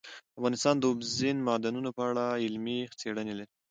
افغانستان د اوبزین معدنونه په اړه علمي څېړنې لري.